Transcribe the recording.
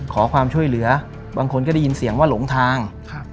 ขอความช่วยเหลือบางคนก็ได้ยินเสียงว่าหลงทาง